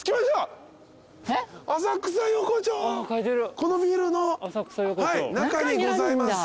このビルの中にございます。